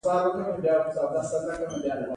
هغه د نرم شپه پر مهال د مینې خبرې وکړې.